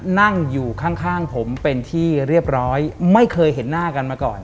นั่งอยู่ข้างผมเป็นที่เรียบร้อยไม่เคยเห็นหน้ากันมาก่อน